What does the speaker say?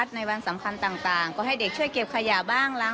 ทำอะไรได้บ้างกัน